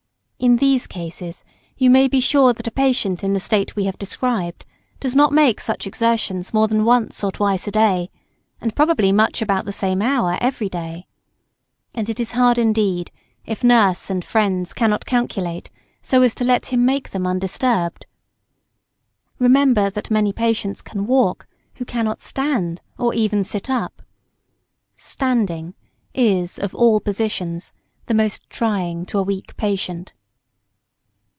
In these cases you may be sure that a patient in the state we have described does not make such exertions more than once or twice a day, and probably much about the same hour every day. And it is hard, indeed, if nurse and friends cannot calculate so as to let him make them undisturbed. Remember, that many patients can walk who cannot stand or even sit up. Standing is, of all positions, the most trying to a weak patient.